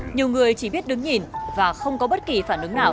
nhiều người chỉ biết đứng nhìn và không có bất kỳ phản ứng nào